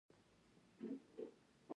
واړه بدلونونه مومي.